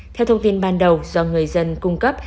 theo thông tin ban đầu do người dân cung cấp